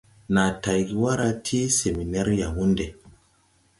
Nàa tayge wara ti seminɛr Yawunde.